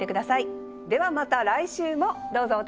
ではまた来週もどうぞお楽しみに。